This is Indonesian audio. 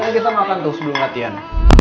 ini kita makan tuh sebelum latihan